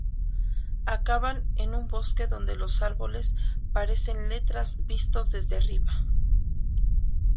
Acaban en un bosque donde los árboles parecen letras vistos desde arriba.